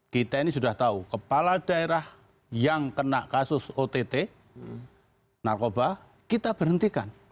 kita ini sudah tahu kepala daerah yang kena kasus ott narkoba kita berhentikan